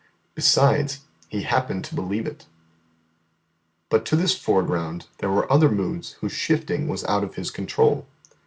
Besides, He happened to believe it. But to this foreground there were other moods whose shifting was out of his control.